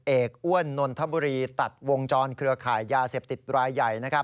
อ้วนนทบุรีตัดวงจรเครือข่ายยาเสพติดรายใหญ่